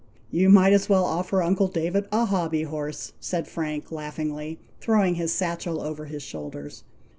"You might as well offer uncle David a hobby horse," said Frank, laughingly, throwing his satchel over his shoulders.